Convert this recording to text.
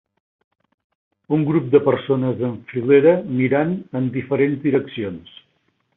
Un grup de persones en filera mirant en diferents direccions.